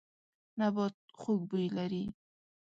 نبات خوږ بوی لري.